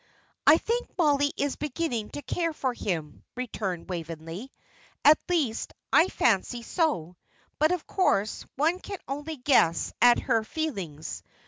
"I think Mollie is beginning to care for him," returned Waveney; "at least, I fancy so. But, of course, one can only guess at her feelings.